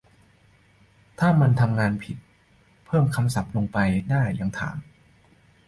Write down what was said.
ถ้ามันทำงานผิด เพิ่มคำศัพท์ลงไปได้ ยังถาม